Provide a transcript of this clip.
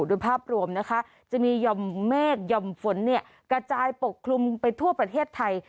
โดยภาพรวมนะคะจะมีหย่อมเมฆหย่อมฝนกระจายปกคลุมไปทั่วประเทศไทย